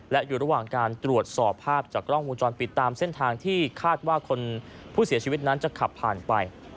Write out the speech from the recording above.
และอยู่ระหว่างการตรวจสอบภาพจากกล้องวงจรปิดตามเส้นทางที่คาดว่าคนผู้เสียชีวิตนั้นจะขับผ่านไป